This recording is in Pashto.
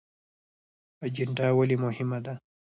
اجنډا ولې مهمه ده؟